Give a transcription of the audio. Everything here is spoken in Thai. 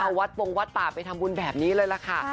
เอาวัดปงวัดป่าไปทำบุญแบบนี้เลยล่ะค่ะ